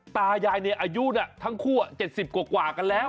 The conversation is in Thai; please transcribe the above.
ตายายในอายุทั้งคู่๗๐กว่ากันแล้ว